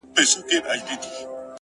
دا سپك هنر نه دى چي څوك يې پــټ كړي”